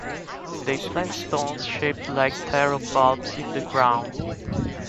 They plant stones shaped like taro bulbs in the ground.